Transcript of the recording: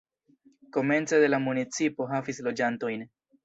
Komence de la municipo havis loĝantojn.